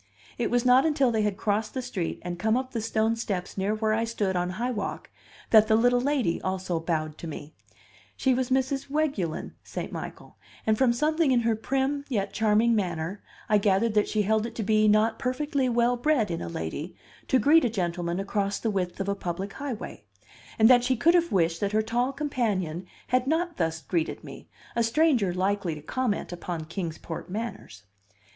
It was not until they had crossed the street and come up the stone steps near where I stood on High Walk that the little lady also bowed to me; she was Mrs. Weguelin St. Michael, and from something in her prim yet charming manner I gathered that she held it to be not perfectly well bred in a lady to greet a gentleman across the width of a public highway, and that she could have wished that her tall companion had not thus greeted me, a stranger likely to comment upon Kings Port manners.